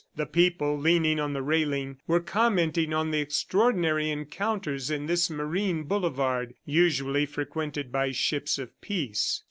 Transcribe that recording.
The people, leaning on the railing, were commenting on the extraordinary encounters in this marine boulevard, usually frequented by ships of peace.